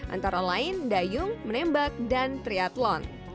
antara lain dayung menembak dan triathlon